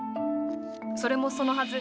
それもそのはず。